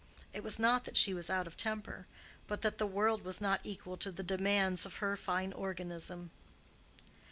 It was not that she was out of temper, but that the world was not equal to the demands of her fine organism.